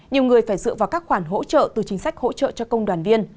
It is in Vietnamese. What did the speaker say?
nhiều người phải dựa vào các khoản hỗ trợ từ chính sách hỗ trợ cho công đoàn viên